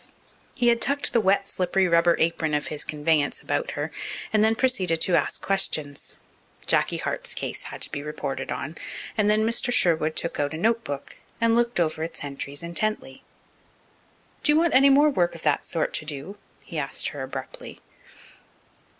He tucked the wet, slippery rubber apron of his conveyance about her and then proceeded to ask questions. Jacky Hart's case had to be reported on, and then Mr. Sherwood took out a notebook and looked over its entries intently. "Do you want any more work of that sort to do?" he asked her abruptly.